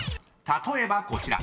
例えばこちら］